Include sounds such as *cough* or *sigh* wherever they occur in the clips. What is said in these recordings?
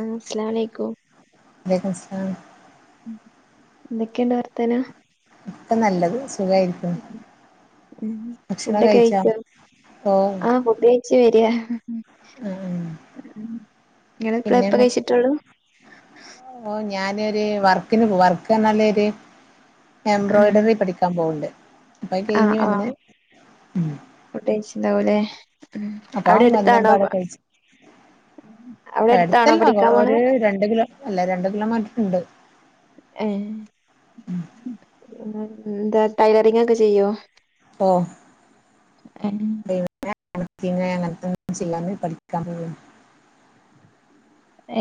ആ അസ്സലാഅലേക്കും. വലക്കും സ്ലാ. എന്തൊക്കെയുണ്ട് വർതാനം. ഇപ്പ നല്ലത് സുഖായിരിക്കുണു. ഫുഡൊക്കെ കഴിച്ചോ ഓ ആ ഫുഡ് കഴച്ച് വരാ. ആ നിങ്ങളിപ്പളാ പിന്നെ ഇപ്പ മക് കഴിച്ചിട്ടുള്ളൂ ഓ. ഞാനൊരു വർക്കിന് വർക്ക്ന്നർഞാലോര് ആഹ് എംബ്രോയിഡറി പഠിക്കാൻ പോവ്ണ്ട്. അപ്പ ആഹ് കഴിഞ്ഞ് വന്ന് ഉം. ണ്ടാ വൂലെ. അപ്പ വന്നേമ്പാടെ കഴിച്. അവിടെ അടുത്താണോ അടുത്തല്ല പഠിക്കാൻ പോണേ ഒര് രണ്ട്കിലോ രണ്ട് കിലോ മീറ്റർ റുണ്ട്. എ ഹ് എന്താ ടൈലറിങ് ഒക്കെ ചെയ്യോ? ഓ ഏഹ് ഞാ. *unintelligible* അ ങ്ങൻ ത്തെചെയ്യാന് പഠിക്കാൻ പോവാണ്.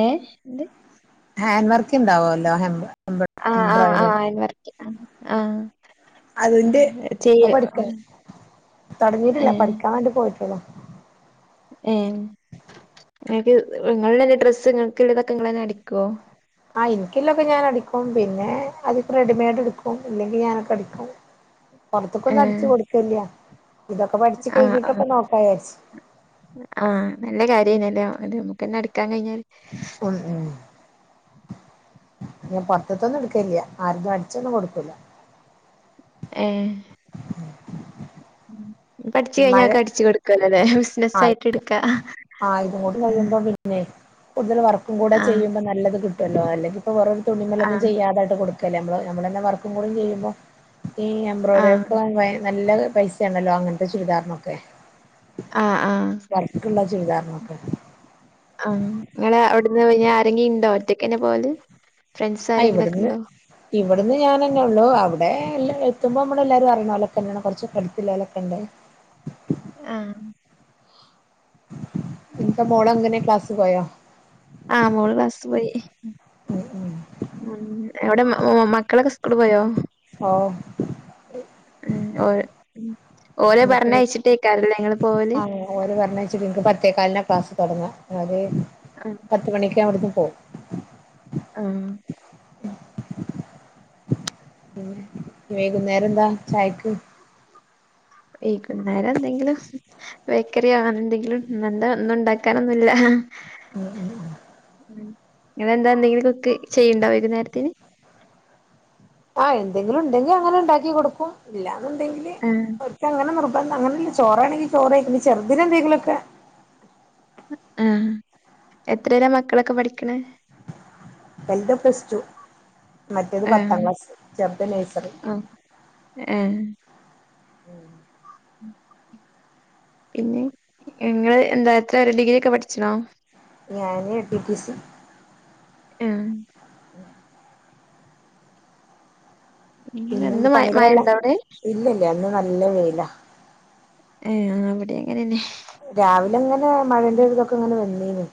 ഏ എന്ത്. ഹാൻ വർക്ക് ഉണ്ടാവുല്ലോ അങ്ങൻ ത്തെ ആ ആ ആ അയിന് വരക്ക ആ അതിന്റെ അത് പഠിക്കണ് തുടങ്ങിട്ടില്ല പഠിക്കാൻ വേണ്ടി പോയിട്ടുള്ളു ഏ ങ്ങക്ക് ഇങ്ങളത് ഡ്രസ്സ് ഇങ്ങൾക്ക് ള്ളതൊക്കെ ഇങ്ങളെന്നെ അടിക്കോ ആ ഇന്ക്കില്ലൊക്കെ ഞാൻ അടിക്കും പിന്നെ അതിക്ക് റെഡിമെയഡ് എടുക്കും ഇല്ലെങ്കി ഞാനൊക്കെ അടിക്കും പുറത്ത്ക്കൊന്നും അടിച്ച് കൊടുക്കല്യാ ആ ആ ആ നല്ല കാര്യനല്ലേ അത് പിന്നടിക്കാൻ കഴിഞ്ഞൽ ഉം ഉം ഞൻ പൊറത്തൊന്നും എടുക്കല്യാ ആരതും അടിച്ചൊന്നും കൊടുക്കൂല ഏ പഠിച്ച് മഴ കഴിഞ്ഞാക്കെ അടിച്ചു കൊടുക്കലോല്ലെ ആ ബിസിനസായിട്ട് എടുക്കാ ആ ഇതും ആഹ് കൂടികഴിയുമ്പോ പിന്നെ കൂടുതൽ വർക്കും കൂടെ ആഹ് ചെയ്യുമ്പോ നല്ലത് കിട്ടുഅല്ലോ അല്ലെങ്കിപ്പോ വെറും ഒരു തുണിമ്മുലോന്നും ചെയ്യാതട്ട് കൊടു ക്കല്ലെ മ്മൾ നമ്മളെന്നെ വർക്കും കൂടി ചെയ്യുമ്പോ ഈ എംബ്രോയ്ഡറി ആഹ് ഒക്കെ നല്ല പൈസണല്ലോ അങ്ങനത്തെ ചുരിദാർനോക്കെ ആ ആ ചുരിദാർ നോക്കെ ആ ങ്ങളെ അവിടുന്ന് പിന്നെ ആരെങ്കിണ്ടോ ഒറ്റക്കെന്നെ പോവല് ഫ്രണ്ട്സ് ആ ആരെങ്കിലൊക്കെ ഇവിടുന്ന് ഉണ്ടോ ഇവിടുന്ന് ഞനെന്നെ ഒള്ളു അവിടെ എല്ല എത്തുമ്പോമ്മളെല്ലാരും അറിയിലോരോക്കെ തന്നെയാണ് കുറച്ചോകടുത്തിലോലൊക്കണ്ട് ആ ഇനിപ്പോ മോളെങ്ങനെ ആ മോള് ക്ലാസ് പോയി ഉം ഉം ഉം എവിടെ മക്കളൊക്കെ സ് ഓ ഉം ഓര് ഓലെ പറഞ്ഞയച്ചിട്ടേക്കാരല്ലേ നിങ്ങള് പോവല് ഓലെ പറഞ്ഞയച്ചിട്ട് ഇൻക്ക് പത്തേക്കാലിനാ ക്ലാസ് തുടങ്ങാ അത് ആഹ് പത്ത്മണിക്ക് ഞാവിടുന്ന് പോവും ആ പിന്നെ വൈകുന്നേരംന്താ ചായക്ക് വൈകുന്നേരം എന്തെങ്കിലും ബേക്കറി അങ്ങനെന്തെങ്കിലും നന്താഒന്നും ഉണ്ടാക്കാനൊന്നുല്ല ഉം ഉം ഉ ഇങ്ങളെന്താ എന്തെങ്കിലും കുക്ക് ചെയ്യ്ണ്ടോ വൈകുന്നേരത്തിന് ആ എന്തെങ്കിലും ഉണ്ടെങ്കി അങ്ങനെ ഉണ്ടാക്കി കൊടുക്കും ഇല്ലാ ന്ണ്ടെങ്കിൽ ആഹ് ഒര്ക്കങ്ങനെ നിർബ പ്പോ അങ്ങനല്ല ചോറാണെങ്കി ചോറ് വെയ്ക്കും ചെറുദിനെ എന്തെങ്കിലോക്കെ ആ എത്രെലാ മക്കളൊക്കെ പഠിക്കണെ എന്റെ പ്ലസ്റ്റു മറ്റേത് പത്താം ആഹ് ക്ലാസ് ചെർത് നേഴ്സറി ആഹ് ഏഹ് ഉം പിന്നെ ങ്ങള് എന്താത്രവരെ ഡിഗ്രി യോക്കെ പഠിച്ച്ണോ ഞാന് ടി ടി സി ആ ഇല്ല പിന്നെന്ത് ഇന്ന് മഴ പണികളെല്ലാം മഴണ്ടോ അവിടെ ഏ അവിടെ അങ്ങനെന്നെ രാവിലെ അങ്ങനെ മഴന്റെ ഒരുതൊക്കെ ഇങ്ങനെ വെന്നീന്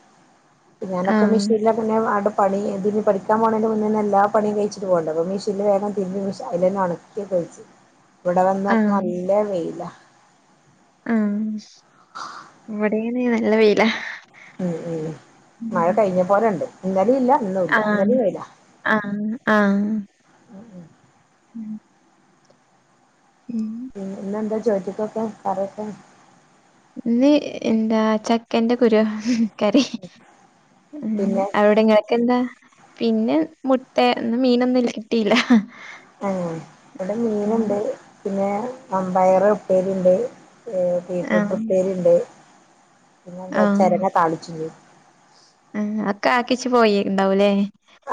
പിന്ന ഞാനൊക്കെ ആഹ് മെഷീനില പിന്നെ അടു പണി എന്തിനി പഠിക്കാൻ പോണതിൻ മുന്നെന്നെ എല്ലാ പണിയും കഴിച്ചിട്ട് പോണ്ടെ അപ്പ മെഷീൻ വേഗം തിരുമ്പി മെഷീൻ അതിലെന്നെണുക്കി ഇവിടെ വന്ന് നോക്കണ് നല്ല വെയില ആ ഇവിടെയ്ന് നല്ല വെയിലാ ഉം ഉം മഴ കഴിഞ്ഞ പോലെ ഉണ്ട് ഇന്നലെ ഇല്ല ഇന്നുമില്ല ആഹ് ഇന്നലെ വെയിലാ ആഹ് മ് ഉം ഇന്നെന്താ ചോറ്റിക്കൊക്കെ കറിയൊക്കെ ഇന്ന് എന്താ ചക്കന്റെ കുരാ കറി മ് പിന്നെ അവിടെ ഇങ്ങക്കെന്താ പിന്നെ മുട്ട ഇന്ന് മീനൊന്നും കിട്ടിയില്ല ആ ഇവിടെ ഉം മീനുണ്ട് പിന്നെ വൻമ്പയർ ഉപ്പേരിണ്ട് ഏഹ് ബീറ്റ്റൂട്ട് ആഹ് ഉപ്പേരിയുണ്ട് പിന്നെന്താ ആഹ് ചെരങ്ങ താളിച്ചു ആഹ് ഒക്കെ ആക്കിവെച്ച് പോയി ഇണ്ടാവൂല്ലേ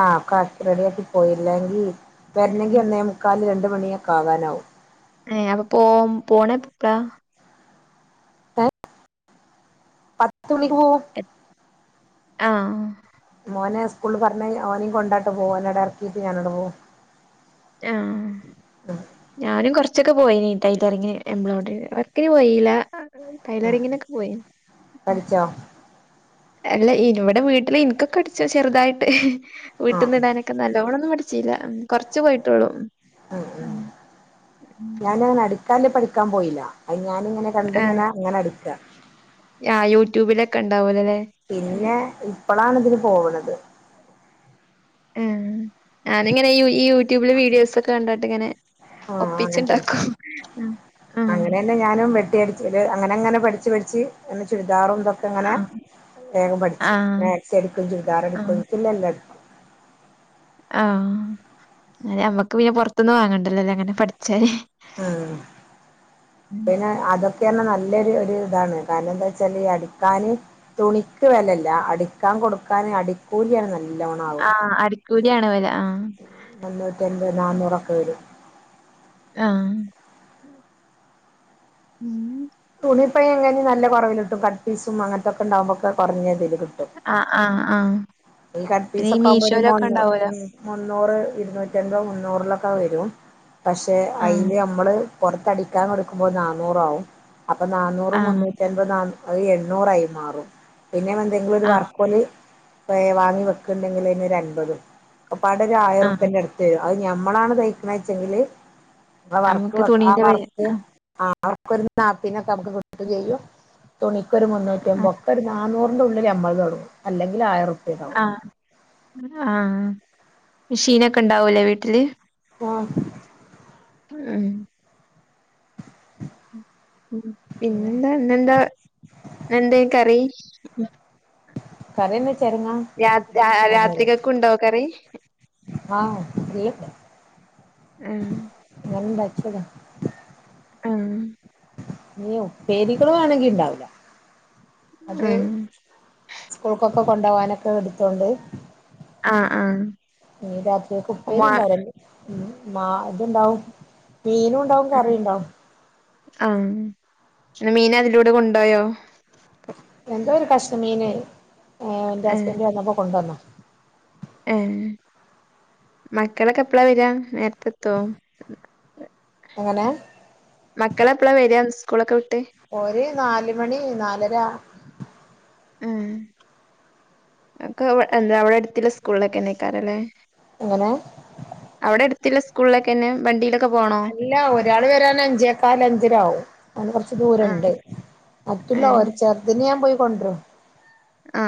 ആഹ് ഒക്കെ ആക്കി റെഡി ആക്കി പോയിഇല്ലെങ്കിൽ ഉം വരുന്നെങ്കിൽ ഒന്നേ മുക്കാല് രണ്ടു മണിയക്കെകാനാവും ഏഹ് അപ്പൊ പോ പോണെപ്പളാ ഏഹ് പത്ത് മണിക്ക് പോവും ആഹ് ഓനെ സ്കൂളിൽ പറഞ്ഞ് ഓനെയും കൊണ്ടോട്ട് പോവും ഓനവിടെ ഇറക്കിട്ട് ഞാന് അവിടെ പോകും ആഹ് ഞാനും കൊറ കുറച്ചൊക്കെ പോയിനി ടൈലറിങ് എംബ്രോയിഡറി വർക്കിന് പോയില്ല ഉം ടൈലറിങ്ങിനൊക്കെ പോയി പഠിച്ചോ അല്ല ഇനിവിടെ വീട്ടില് എനിക്കൊക്കെ അടിച്ചു ചെറുതായിട്ട് ആഹ് വീട്ടിന്നിടാനൊക്കെ നല്ലോണൊന്നും പഠിച്ചില്ല കുറച്ചു പോയിട്ടുള്ളൂ ഉം ക്കാല് പഠിക്കാൻ പോയില്ല അയിന് ഞാനിങ്ങനെ രണ്ടിങ്ങനെ ആഹ് അങ്ങനെ അടക്കാ ആഹ് യൂട്യൂബിലൊക്കെ ഉണ്ടാവൂലല്ലെ പിന്നെ ഇപ്പളാണ് ഇതിന് പോവണത് ആഹ് ഞാനിങ്ങനെ ഈ യൂട്യൂബില് വീഡിയോസൊക്കെ കണ്ടിട്ട് ഇങ്ങനെ ആഹ് അങ്ങനതന്നെ ഒപ്പിച്ചുണ്ടാക്കും ആഹ് അങ്ങനെ തന്നെ ഞാനും വെട്ടിയടിച്ചത് അങ്ങനെ അങ്ങനെ പഠി പഠിച്ച് പഠിച്ച് എന്നെച്ചോ ചുരിദാറും ഇതൊക്കെ ഇങ്ങനെ ആഹ് വേഗം പഠിച്ചു ആഹ് മാക്സിയടിക്കും ചുരിദാറടിക്കും ആഹ് എനിക്കുള്ള എല്ലാം അടിക്കും ആഹ് നമ്മക്ക് പിന്നെ പുറത്തൊന്ന് വാങ്ങണ്ടല്ലോല്ലെ അങ്ങനെ പഠിച്ചാല് ഉം പിന്നെ അതൊക്കെ പറഞ്ഞ നല്ലൊരു ഇതാണ് കാരണം എന്താ വച്ചാല് ഈ അടിക്കാന് തുണിക്ക് വിലയില്ല അടിക്കാൻ കൊടുക്കാൻ അടിക്കൂലിയാണ് നല്ല നല്ലോണം ആവ്വാ ആഹ് അടിക്കൂലിയാണ് വെല ആഹ് അഞ്ഞൂറ്റിഅയ് നാന്നൂറൊക്കെ വരും ആഹ് ഉം തുണിപ്പിഴേ ഇങ്ങനെനി നല്ല കുറവിലുകിട്ടും കട്ട്പീസും അങ്ങനൊത്തൊക്കെ ഇണ്ടാകുമ്പൊക്കെ കുറഞ്ഞു തരും ആഹ് ആഹ് ആഹ് ഈ പിന്നെ ഈ കട്ട്പ്പീസൊക്കെ ആവുമ്പോ ഒരു മീഷോയിലൊക്കെ മുന്നൂറ് ഉണ്ടാവോലോ ഉം മുന്നൂറ് ഇരുന്നൂറ്റൻപത് അഞ്ഞൂറിലൊക്കെ വരും പക്ഷെ ആഹ് അതില് നമ്മള് പുറത്തടിക്കാൻ കൊടുക്കുമ്പോൾ നാന്നൂറാകും അപ്പൊ നാന്നൂറും ആഹ് മുന്നൂറ്റി അൻപതും നാന്നൂ അത് എണ്ണൂറായി മാറും പിന്നെ എന്തെങ്കിലും ഒരു ആഹ് വർക്കൊല് വാങ്ങി വെക്കണ്ടെങ്കിൽ അതിനൊരു അമ്പതും ഒക്കെപ്പാടെ ഒരു ആയിരം ആഹ് ഉറുപ്പിന്റെ അടുത്ത് വരും അത് ഞ നമ്മളാണ് തയ്ക്കാച്ചെണെച്ചെങ്കിൽ നമ്മളെ വർക്ക്‌ നമുക്ക് ആഹ് തുണീന്റെ വെ വർക്ക്‌ ആഹ് ആഹ് അവർക്കൊരു നാത്തിനെ *unintelligible* ചെയ്യും തുണിക്കൊരു മുന്നൂറ്റിമ്പത് ഉറുപ്പിക ഒരു നാ നന്നൂറിന്റെ ഉള്ളിൽ അമ്പത് തുടങ്ങും അല്ലങ്കിൽ ആയിരം ഉറുപ്പ്യ ഉണ്ടാവും ആ ആ മിഷീനൊക്കെ ഇണ്ടാവുംലെ വീട്ടില് ആ മം പിന്നെ പിന്നെന്താ ഇന്നെന്താ എന്തേ കറി കറിയെന്ന ചെരങ്ങ അ രാ ര രാത്രികക്കും ഉണ്ടോ കറി? ഹാ റിണ്ട്. ഹെ ശദം ആ ഞ്ഞി ഉപ്പേരികൾ വേണെങ്കി ഇണ്ടാവുല്ല. അത് സ്കൂൾക്കൊക്കെ കൊണ്ടാ വനൊക്കെ പോകാനൊക്കെ എടുത്തോണ്ട് ആഹ് ആഹ് ഞ്ഞി രാത്രികക്ക് ഉപ്പേരി ഉമ്മാ ഇണ്ടാവൂല മം മാ ഇത്ണ്ടാവും മീനും ഉണ്ടാവും കറിഇണ്ടാവും ആ ഇന്ന് മീന് അതിലൂടെ കൊണ്ടോയോ? എന്തോ ഒരു കഷ്ണമീന് എ ഇന്റെ ഹസ്ബന്റ് വന്നപ്പോ കൊണ്ടുവന്നാ. എ മക്കളൊക്കെ എപ്പളാ വെരാ നേര്ത്തെ എത്തോ? എങ്ങനെ? വരാ സ്കൂളൊക്കെ വിട്ട് ഓര് നാല് മണി നാലര ഹെ ഉക്കെ ഇവ് അവിടെ അടുത്തില്ല സ്കൂളിലൊക്കെന്നായ്കാരിംലെ? അങ്ങനെ അവിടെ അടുത്തില്ല സ്കൂളിലൊക്കെന്നേ വണ്ടിയിലൊക്കെ പോണോ അല്ല ഒരാള് വെരാൻ അഞ്ചേക്കാല് അഞ്ചരാവും ഓന് കൊർച്ച് ആഹ് ദൂരുണ്ട്. മറ്റുള്ള ഏഹ് ഒരു ചെർതിനെ ഞാൻ പോയി കൊണ്ട്രും. ആ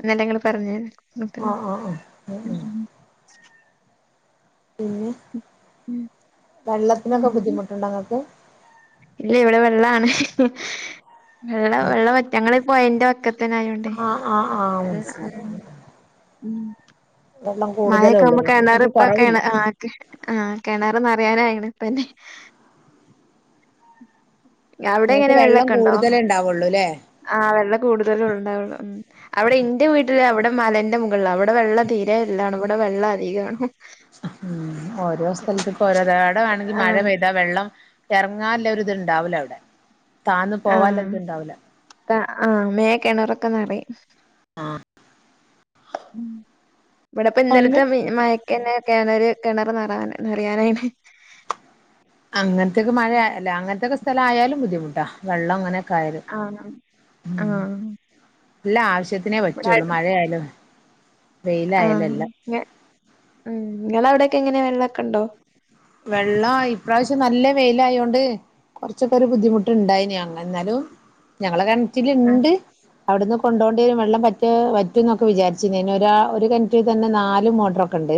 ഇന്നലങ്ങൾ പറഞ്ഞെ ന്നട്ട് ആഹ് ആഹ് ആഹ് ഉം ഉം പിന്നെ വെള്ളത്തിനൊക്കെ ഉം ബുദ്ധിമുട്ട് ഇണ്ടോ ഇങ്ങൾക്ക്? ഇല്ല ഇവിടെ വെള്ളാണ് വെള്ള വെള്ള വറ്റ് ഞങ്ങളി പൊയന്റെ വക്കത്. തെന്നെ ആയോണ്ട് ആഹ് ആഹ് ആഹ് മനസ്സിലായി മം വെള്ളം മായൊക്കെ കൂടുതലൊള്ളൂ ആകുമ്പോ ഇങ്ങക്ക് ഇങ്ങക്ക് കേണറിപ്പോ കേണ കൊറവില്ല ആ കേണർ നെർ വേനായിക്കണ് ഇപ്പെന്നെ. ഞ അവിടെ ഇങ്ങക്ക് എങ്ങനെ വെള്ളം വെള്ളൊക്കെ ഇ? ണ്ടോ കൂടുതലേ ഇണ്ടാവൊള്ളൂല്ലേ ആ വെള്ളം കൂടുതല് ഉണ്ടാവുള്ളൂ മം അവിടെ ഇന്റെ വീട്ടിൽ ട്ടിൽ അവിടെ മലന്റെ മുകളില അവിടെ വെള്ള തീരെണും ഇല്ല ഇവിടെ വെള്ള അധികാണു. ഇമ്മം ഓരോ സ്ഥലത്തേക് ഓരോ തടമാണെങ്കി മഴ ആഹ് പെയ്താ വെള്ളം എറങ്ങാല്ല ഒര് ഇത് ഇണ്ടാവൂല അവുടെ താന്ന് പോവാൻല്ല ഇത് ഇണ്ടാവൂല താ ആ മേ കിണറൊക്കെനിറിം. ആ ഇവിടെപ്പോ അങ്ങ ഇന്നലത്തെ മി മയക്കെന്നെ കിണര് കിണർ നിറാൻ നിറയാൻ അയ്ന്. അങ്ങനത്തൊക്കെ മഴയല്ല അങ്ങനത്തെക്കെ സ്ഥലം ആയാലും ബുദ്ധിമുട്ടാ വെള്ളം ഇങ്ങനെ. ക്കായാൽ ആഹ് ഉം ആഹ് എല്ല ആവശ്യത്തിനേ പറ്റുള്ളു മഴയാലും ആ ഞ്ഞ മം അവിടെക്കെ എങ്ങനെയാ വെള്ളൊക്കെ ഇണ്ടോ? വെള്ളം ഇപ്രാവശ്യം നല്ല വെയില് ആയോണ്ട് കുറച്ചൊക്കെ ഒരു ബുദ്ധിമുട്ട് ഇണ്ടായിനിം ഞങ്ങ ഇന്നാലും ഞങ്ങളെ കെണ്റ്റില് ആ ഇണ്ട്. അവിടുന്ന് കൊണ്ടോണ്ടേരും വെള്ളം പറ്റെ പറ്റുംന്നൊക്കെ വിചാരിചീനിം അയ്ൻ ഒരാ ഒരു കെണ്റ്റിൽ തെന്നെ നാല് മോട്ടറൊക്കെണ്ട്. ണ്ട്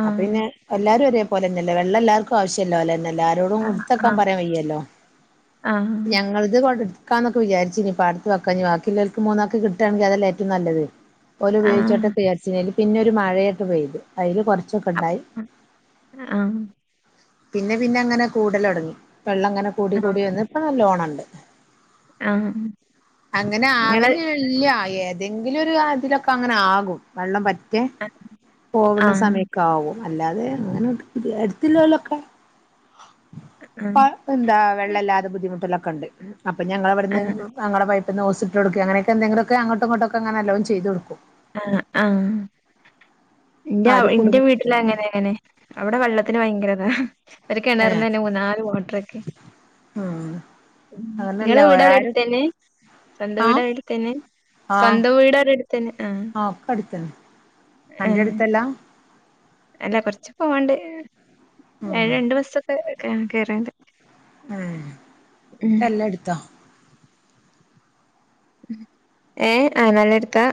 ആഹ് അപ്പോപിന്നെ എല്ലാരും ഒരേ പോലെന്നെല്ല വെള്ളം എല്ലാർക്കും ആവശ്യല്ലോലെന്നെല്ലേ? എല്ലാരോടും ഇടത്തെക്കാൻ ആഹ് പറയാൻ വയ്യല്ലോ ആഹ് ഞങ്ങൾത് കൊണ്ട് ക്കാന്നൊക്കെ വിചാരിചീനിം പാടത്ത് വെക്കാഞ്ഞി വാക്കിലോൽക്ക് മൂന്നൊക്ക് കിട്ടാണെങ്കിൽ അതല്ലേ ഏറ്റ വും നല്ലത് ഒല് ആഹ് ഉപയോഗിച്ചോട്ടെന്ന് വിയർച്ചീനിം അയ്ല് പിന്നെ ഒരു മയൊക്കെ പെയ്തു അയ് ല് കൊർച്ചൊക്കെ ഇണ്ടായി. ആ പിന്നെ പിന്നെ അങ്ങനെ കൂടൽ ഒട്ങ്ങി വെള്ളം ഇങ്ങനെ കൂടി ആഹ് കൂടി വന്ന് ഇപ്പൊ നല്ലോണണ്ട്. ആഹ് അങ്ങനെ നിങ്ങള് അവനല്ല ഏതെങ്കിലും ഒരു അതിലൊക്കെ അങ്ങനെ ആകും വെള്ളം പറ്റ ക്കെ പോവുന്ന ആഹ് സമയക്ക ആവും അല്ലാതെ അങ്ങനെ എടുത്തി ള്ളാലൊക്കെ ആഹ് എന്താ വെള്ളമല്ലാതെ ബുദ്ധിമുട്ടല്ല അപ്പം ഞങ്ങളവിടന്ന് ആഹ് ഞങ്ങളെ പിന്നെ ഓസിട്ട്കൊടുക്ക അങ്ങനൊക്കെന്തെങ്കിലക്കെങ്ങോട്ടും ഇങ്ങോക്കെങ്ങനെല്ലാ ചൈതു കൊക്കും ആഹ് ആഹ് എന്റെ ആരും എന്റെ വീട്ടില് കുടുങ്ങരുത് എങ്ങനെ അങ്ങനെ അവിടെ വെള്ളത്തിന് ഭയങ്കരതാ ഒര് കിണർന്നു ഏഹ് തന്നെ മൂന്നാല് മോട്ട റൊക്കെ ഉം നിങ്ങളെ അങ്ങനല്ല വീടടെ ആരും എടുതന്നെ സ്വന്തം വീട് ആഹ് എടുത്ത് തന്നെ ആഹ് സ്വന്തം വീട് എടുത്തേന്നെ ആഹ് ഒക്ക അടുത്തന്നെ അന്റെ ഏഹ് അടുത്തല്ലാ അല്ല കൊറച്ച് പോവാണ്ട് ഏ ഉം രണ്ട് ബസൊക്കെ കേറണ്ട് ആ ക്കെല്ല എടുത്താ ഏ ആ നല്ല എടുത്താ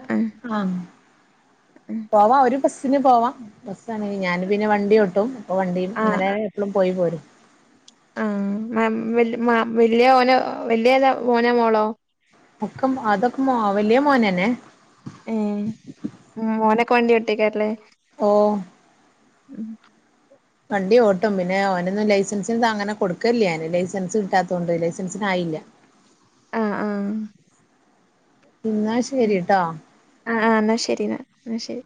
ആഹ് പോവാ ഒരു ബസിന് പോവാം ഞാൻ പിന്നെ വണ്ടി ഓട്ടും അപ്പൊ വണ്ടിയും അങ്ങനെ ആഹ് എപ്പോഴും പോയി പോരും ആഹ് വല്യ മോനോ വല്യതാ മോനോ മോളോ ഒക്കെ അതൊക്കെ മോ വല്യത് മോനന്നെ ഉം മഓനൊക്കെ വണ്ടി ഓട്ടിക്കല്ലേ ഓ ഉം വണ്ടി ഓട്ടും പിന്നെ ഓനൊന്നും ലൈസൻസിന് അങ്ങനെ കൊടുക്കല്ല ന് ലൈസൻസ് കിട്ടാത്തത് കൊണ്ട് ലൈസൻസി ഇല്ല ആഹ് ആഹ് എന്നാ ശരിട്ടോ ആഹ് ആ എന്നാ ശരി എന്നാ എന്ന ശരി